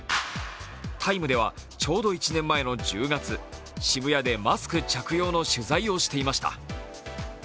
「ＴＩＭＥ，」ではちょうど１年前の１０月、渋谷でマスク着用の取材をしていました。